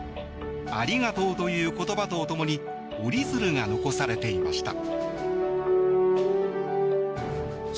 ありがとうという言葉とともに折り鶴が残されていました。